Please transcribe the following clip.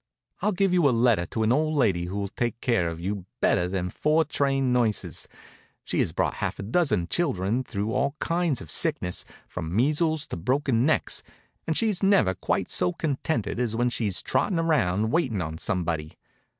I'll give you a letter to an old lady who'll take care of you better than four trained nurses. She has brought half a dozen children through all kinds of sickness, from measles to broken necks, and she's never quite so contented as when she's trotting around waiting on somebody.